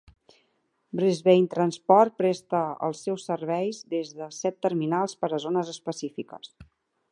Brisbane Transport presta els seus serveis des de set terminals per a zones específiques.